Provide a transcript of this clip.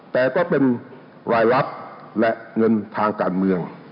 แต่ก็เป็นรายรับและเงินทางการเมือง